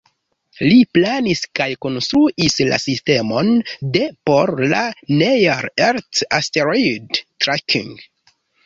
Li planis kaj konstruis la sistemon de por la "Near Earth Asteroid Tracking".